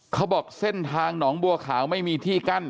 เขาบอกเส้นทางหนองบัวขาวไม่มีที่กั้น